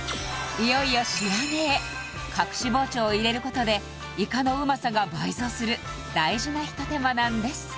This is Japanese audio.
いよいよ仕上げへ隠し包丁を入れることでイカのうまさが倍増する大事な一手間なんです